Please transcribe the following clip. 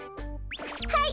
はい！